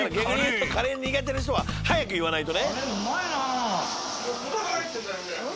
逆に言うとカレー苦手な人は早く言わないとね。